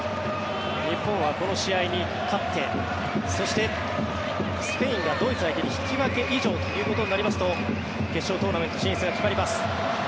日本はこの試合に勝ってそしてスペインはドイツ相手に引き分け以上ということになりますと決勝トーナメント進出が決まります。